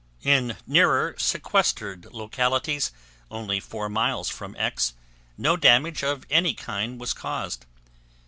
In nearer, sequestered localities only 4 miles from X, no damage of any kind was caused.